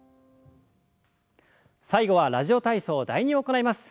最後は「ラジオ体操第２」を行います。